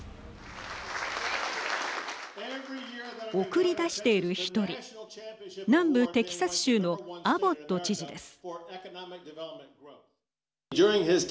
送り出している１人南部テキサス州のアボット知事です。